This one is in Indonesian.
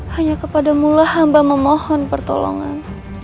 hanya kepadamulah hamba memohon pertolongan